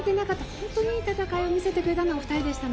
本当にいい試合を見せてくれたのがお二人でしたね。